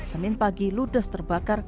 seminggu pagi ludes terbakar